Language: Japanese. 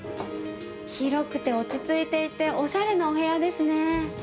広くて落ち着いていておしゃれなお部屋ですね。